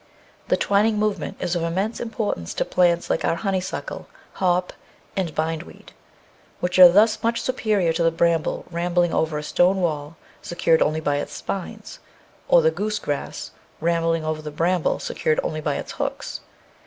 The twining movement is of im mense importance to plants like our honeysuckle, hop, and bind weed, which are thus much superior to the bramble, rambling over a stone wall secured only by its spines, or the goose grass, ram bling over the bramble secured only by its hooks.